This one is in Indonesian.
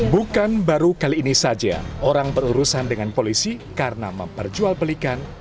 bukan baru kali ini saja orang berurusan dengan polisi karena memperjualbelikan